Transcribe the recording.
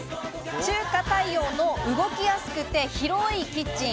中華太陽の動きやすくて広いキッチン。